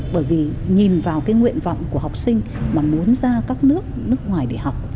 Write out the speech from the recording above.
bởi vì nhìn vào cái nguyện vọng của học sinh mà muốn ra các nước nước ngoài để học